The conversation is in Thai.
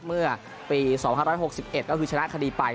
เมื่อปี๒๕๖๑ก็คือชนะคดีไป